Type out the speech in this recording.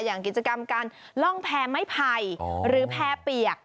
อย่างกิจกรรมการล่องแพร่ไม้ไผ่หรือแพร่เปียก